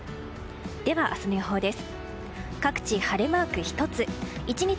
では、明日の予報です。